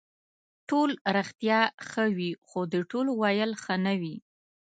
ټول رښتیا ښه وي خو د ټولو ویل ښه نه وي.